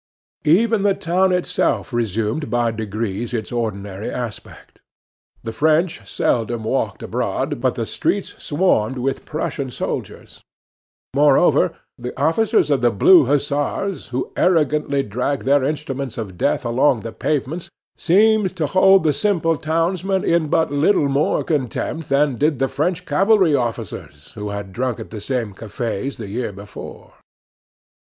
Even the town itself resumed by degrees its ordinary aspect. The French seldom walked abroad, but the streets swarmed with Prussian soldiers. Moreover, the officers of the Blue Hussars, who arrogantly dragged their instruments of death along the pavements, seemed to hold the simple townsmen in but little more contempt than did the French cavalry officers who had drunk at the same cafes the year before.